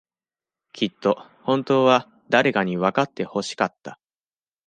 きっと、本当は、誰かにわかってほしかった。